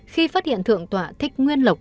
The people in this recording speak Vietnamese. khi phát hiện thượng tọa thích nguyên lộc